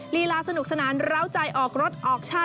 ลีลาสนุกสนานร้าวใจออกรถออกชาติ